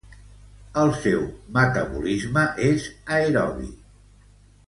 El seu metabolisme és aerobi.